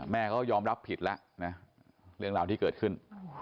แม่ก็ยอมรับผิดแล้วนะเรื่องราวที่เกิดขึ้น